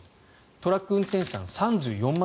トラック運転手さん３４万